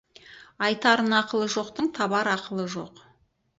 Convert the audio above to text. Айтар нақылы жоқтың табар ақылы жоқ.